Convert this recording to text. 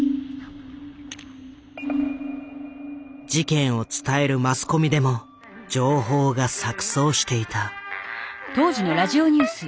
事件を伝えるマスコミでも情報が錯綜していた。